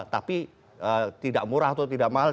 tapi tidak murah atau tidak mahal